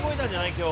今日。